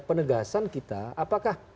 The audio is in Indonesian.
penegasan kita apakah